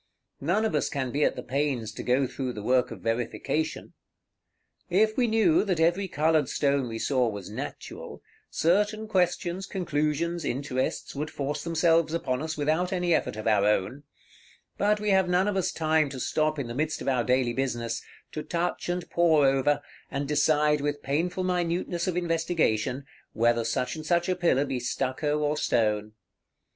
None of us can be at the pains to go through the work of verification. If we knew that every colored stone we saw was natural, certain questions, conclusions, interests, would force themselves upon us without any effort of our own; but we have none of us time to stop in the midst of our daily business, to touch and pore over, and decide with painful minuteness of investigation, whether such and such a pillar be stucco or stone.